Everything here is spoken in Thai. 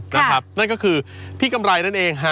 นั่นก็คือพี่กำไรนั่นเองฮะ